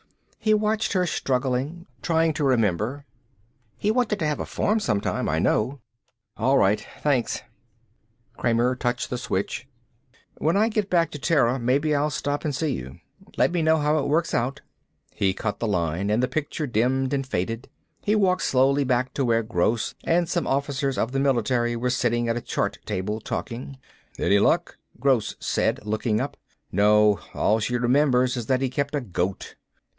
He watched her struggling, trying to remember. "He wanted to have a farm, sometime, I know." "All right. Thanks." Kramer touched the switch. "When I get back to Terra maybe I'll stop and see you." "Let me know how it works out." He cut the line and the picture dimmed and faded. He walked slowly back to where Gross and some officers of the Military were sitting at a chart table, talking. "Any luck?" Gross said, looking up. "No. All she remembers is that he kept a goat."